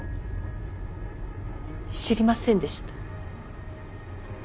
知りませんでした。